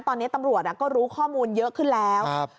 ตอนนี้ตำรวจก็รู้ข้อมูลเยอะขึ้นแล้ว